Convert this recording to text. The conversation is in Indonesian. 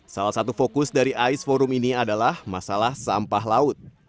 salah satu fokus dari ais forum ini adalah masalah sampah laut